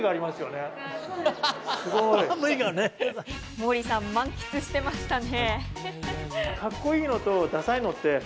モーリーさん、満喫してましたね。